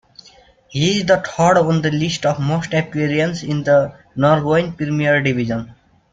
He is third on the list of most appearances in the Norwegian Premier Division.